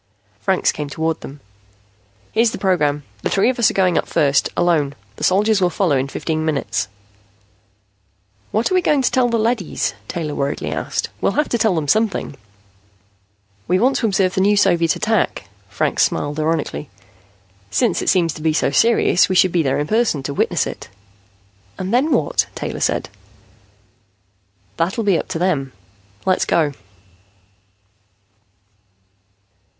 Franks came toward them. "Here's the program. The three of us are going up first, alone. The soldiers will follow in fifteen minutes." "What are we going to tell the leadys?" Taylor worriedly asked. "We'll have to tell them something." "We want to observe the new Soviet attack." Franks smiled ironically. "Since it seems to be so serious, we should be there in person to witness it." "And then what?" Taylor said. "That'll be up to them. Let's go."